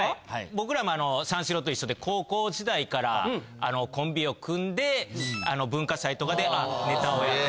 僕らも三四郎と一緒で高校時代からコンビを組んで文化祭とかでネタをやって。